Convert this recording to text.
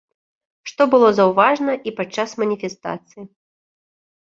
Што было заўважна і падчас маніфестацыі.